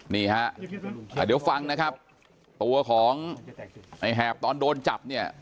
นี่ฮะเดี๋ยวฟังนะครับตัวของไอ้แหบตอนโดนจับเนี่ย